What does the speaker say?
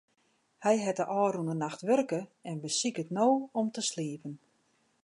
Hy hat de ôfrûne nacht wurke en besiket no om te sliepen.